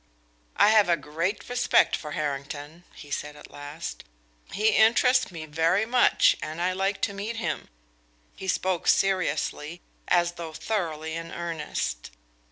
"I have a great respect for Harrington," he said at last. "He interests me very much, and I like to meet him." He spoke seriously, as though thoroughly in earnest.